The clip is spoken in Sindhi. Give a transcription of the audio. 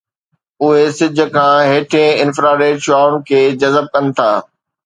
اهي سج کان هيٺئين انفراريڊ شعاعن کي جذب ڪن ٿا